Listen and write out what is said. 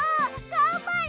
がんばれ！